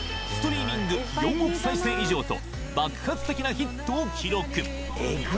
ストリーミング４億再生以上と爆発的なヒットを記録